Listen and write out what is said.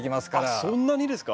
あっそんなにですか？